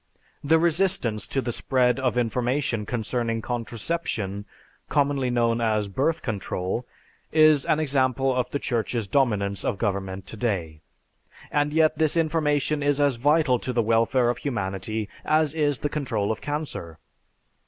The resistance to the spread of information concerning contraception, commonly known as birth control, is an example of the Church's dominance of government today; and yet this information is as vital to the welfare of humanity as is the control of cancer.